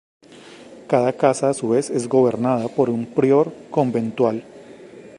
Cada casa a su vez es gobernada por un prior conventual.